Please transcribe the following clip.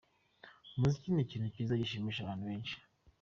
Umuziki ni ikintu cyiza gishimisha abantu bensi.